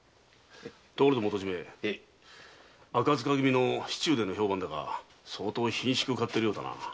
ところで元締赤柄組の市中での評判だが相当顰蹙を買っているようだな。